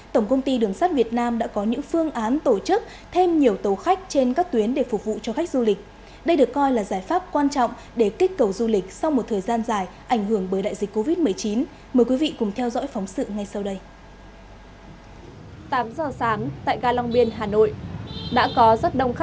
tổng công ty đường sắt việt nam cho biết sẽ tổ chức chạy nhiều chuyến tàu và áp dụng nhiều ưu đãi trên các tuyến đường sắt phục vụ nhu cầu đi lại của hành khách